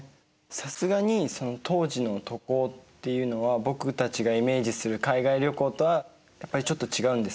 さすがにその当時の渡航っていうのは僕たちがイメージする海外旅行とはやっぱりちょっと違うんですか？